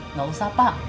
nggak usah pak